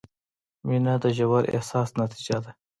• مینه د ژور احساس نتیجه ده.